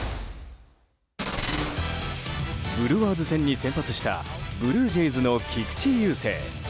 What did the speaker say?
ブルワーズ戦に先発したブルージェイズの菊池雄星。